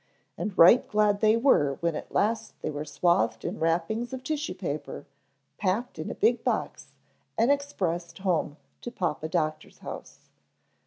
And right glad they were when at last they were swathed in wrappings of tissue paper, packed in a big box and expressed home to Papa Doctor's house.